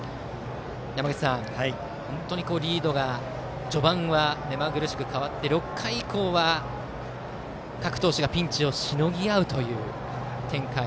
山口さん、リードが序盤は目まぐるしく変わって６回以降は各投手がピンチをしのぎ合うという展開。